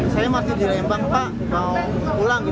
saya masih di lembang pak mau pulang